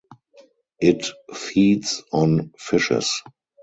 It feeds on fishes.